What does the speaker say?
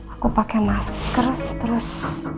aku pakai masker terus